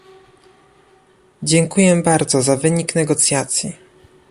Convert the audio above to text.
Dziękuję bardzo za wynik negocjacji